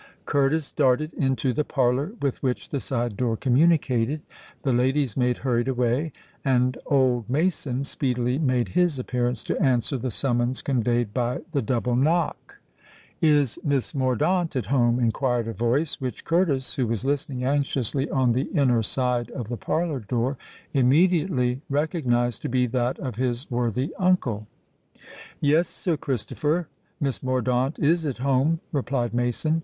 Curtis darted into the parlour with which the side door communicated: the lady's maid hurried away: and old Mason speedily made his appearance to answer the summons conveyed by the double knock. "Is Miss Mordaunt at home?" inquired a voice which Curtis, who was listening anxiously on the inner side of the parlour door, immediately recognised to be that of his worthy uncle. "Yes, Sir Christopher—Miss Mordaunt is at home," replied Mason.